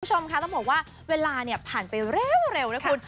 คุณผู้ชมค่ะต้องบอกว่าเวลาเนี่ยผ่านไปเร็วนะคุณ